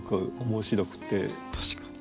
確かに。